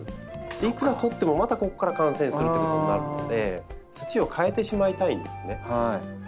いくら取ってもまたここから感染するっていうことになるので土を替えてしまいたいんですね。